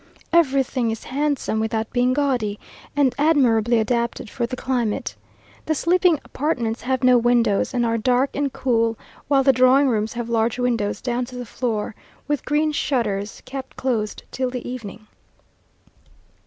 Everything is handsome without being gaudy, and admirably adapted for the climate. The sleeping apartments have no windows, and are dark and cool, while the drawing rooms have large windows down to the floor, with green shutters kept closed till the evening.